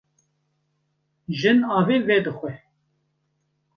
Jin avê vedixwe.